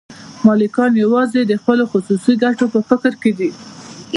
مالکان یوازې د خپلو خصوصي ګټو په فکر کې دي